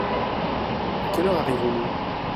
À quelle heure arrivons-nous ?